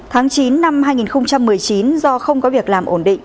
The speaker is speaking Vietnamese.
tháng chín năm hai nghìn một mươi chín do không có việc làm ổn định